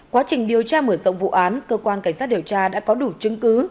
quá trình điều tra mở rộng vụ án cơ quan cảnh sát điều tra đã có đủ chứng cứ